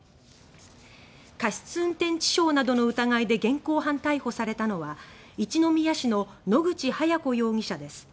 過失運転致傷などの疑いで現行犯逮捕されたのは一宮市の野口早子容疑者です。